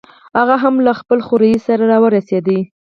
هغه هم له خپل خوریي سره راورسېد.